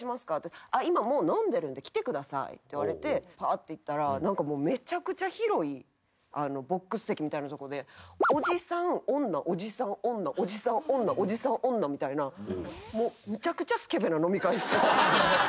「今もう飲んでるんで来てください」って言われてパッて行ったらめちゃくちゃ広いボックス席みたいなとこでおじさん女おじさん女おじさん女みたいなむちゃくちゃスケベな飲み会してたんですよ。